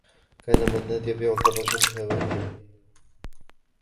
كان منّاد يبيع الدّرّاجات الهوائيّة.